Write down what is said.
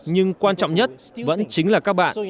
nhưng quan trọng nhất vẫn chính là các bạn